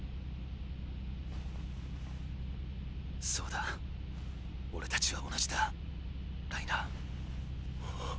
そうだ俺たちは同じだライナー。！